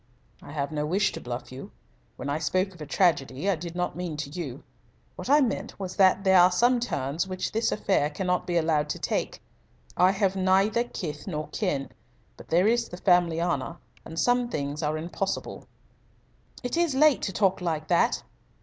"I have no wish to bluff you. When I spoke of a tragedy I did not mean to you. What I meant was that there are some turns which this affair cannot be allowed to take. I have neither kith nor kin, but there is the family honour, and some things are impossible." "It is late to talk like that."